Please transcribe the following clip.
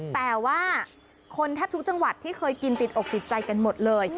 แต่ว่าคนแทบทุกจังหวัดที่เคยกินติดอกติดใจกันหมดเลย